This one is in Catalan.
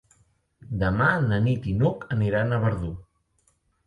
Demà na Nit i n'Hug aniran a Verdú.